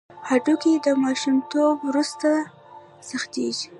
هډوکي د ماشومتوب وروسته سختېږي.